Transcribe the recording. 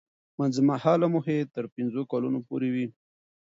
منځمهاله موخې تر پنځو کلونو پورې وي.